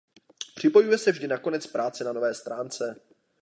Připojuje se vždy na konec práce na nové stránce.